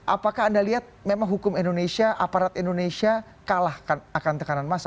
apakah anda lihat memang hukum indonesia aparat indonesia kalah akan tekanan massa